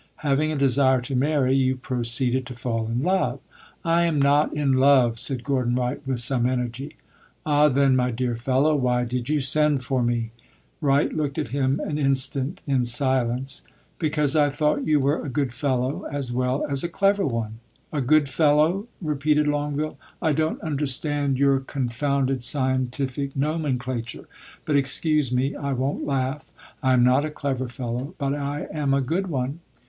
"Having a desire to marry, you proceeded to fall in love." "I am not in love!" said Gordon Wright, with some energy. "Ah, then, my dear fellow, why did you send for me?" Wright looked at him an instant in silence. "Because I thought you were a good fellow, as well as a clever one." "A good fellow!" repeated Longueville. "I don't understand your confounded scientific nomenclature. But excuse me; I won't laugh. I am not a clever fellow; but I am a good one."